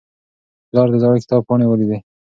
پلار د زاړه کتاب پاڼې ولیدې.